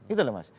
itu loh mas